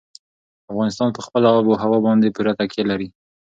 افغانستان په خپله آب وهوا باندې پوره تکیه لري.